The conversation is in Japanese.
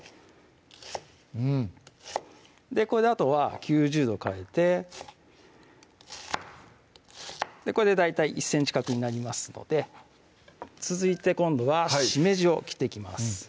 うんこれであとは９０度変えてこれで大体１ｃｍ角になりますので続いて今度はしめじを切っていきます